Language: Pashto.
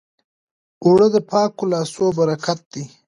اوړه د پاکو لاسو برکت دی